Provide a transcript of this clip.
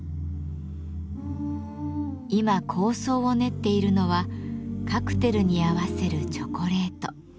今構想を練っているのはカクテルに合わせるチョコレート。